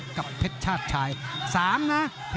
ออกทะเลหัวจนเชือกอ่ะอย่างนั้น